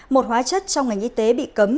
một hóa chất trong ngành y tế bị cấm